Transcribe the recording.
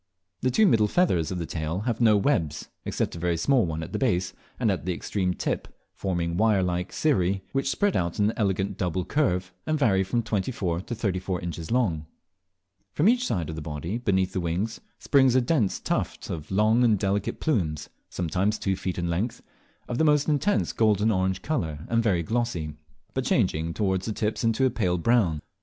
The two middle feathers of the tail have no webs, except a very small one at the base and at the extreme tip, forming wire like cirrhi, which spread out in an elegant double curve, and vary from twenty four to thirty four inches long. From each side of the body, beneath the wings, springs a dense tuft of long and delicate plumes, sometimes two feet in length, of the most intense golden orange colour and very glossy, but changing towards the tips into a pale brown.